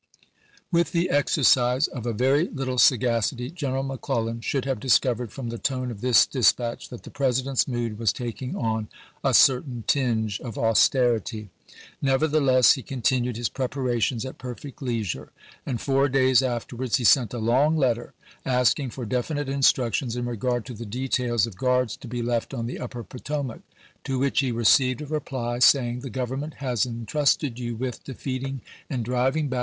With the exercise of a very little sagacity General McClellan should have discovered from the tone of this dispatch that the President's mood was taking on a certain tinge of austerity. Nevertheless he continued his preparations at perfect leisure, and four days afterwards he sent a long letter asking for definite instructions in regard to the details of guards to be left on the upper Potomac ; to which he received a reply saying " the Government has intrusted you with defeating and driving back THE REMOVAL OF McCLELIAN 185 W. R. Vol. XIX., Part I., p. 85.